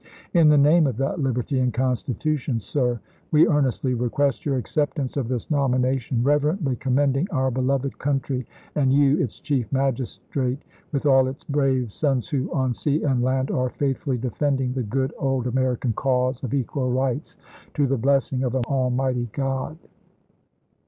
In the name of that liberty and Constitution, sir, we earnestly request your acceptance of this nomina tion, reverently commending our beloved country, and you, its Chief Magistrate, with all its brave sons who, on sea and land, are faithfully defending the good old American cause of equal rights, to the t^LiScofn, blessing of Almighty God."